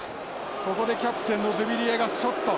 ここでキャプテンのドゥビリエがショット。